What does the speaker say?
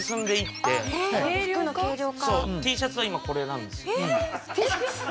Ｔシャツは今これなんですよ。